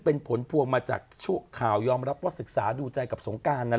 เป็นผลพวงมาจากข่าวยอมรับว่าศึกษาดูใจกับสงการนั้น